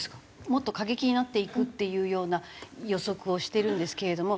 もっと過激になっていくっていうような予測をしているんですけれども。